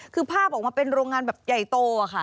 คือภาพออกมาเป็นโรงงานแบบใหญ่โตค่ะ